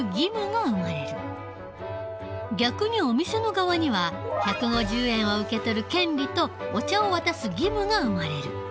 逆にお店の側には１５０円を受けとる権利とお茶を渡す義務が生まれる。